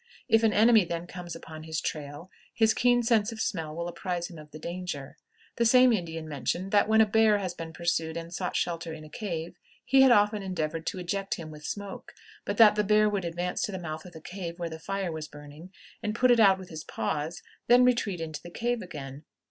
If an enemy then comes upon his trail, his keen sense of smell will apprise him of the danger. The same Indian mentioned that when a bear had been pursued and sought shelter in a cave, he had often endeavored to eject him with smoke, but that the bear would advance to the mouth of the cave, where the fire was burning, and put it out with his paws, then retreat into the cave again.